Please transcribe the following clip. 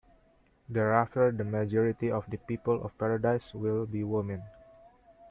Thereafter the majority of the people of Paradise will be women.